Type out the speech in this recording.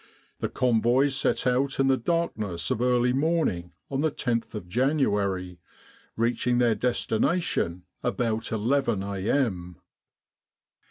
The Convoy set out in the darkness of early morning on the roth of January, reaching their destination about 11 a.m.